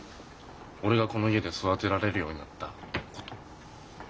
俺がこの家で育てられるようになったこと。